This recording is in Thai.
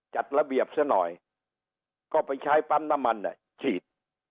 จัดระเบียบซะหน่อยก็ไปใช้ปั๊มน้ำมันฉีด